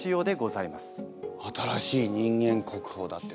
新しい人間国宝だって。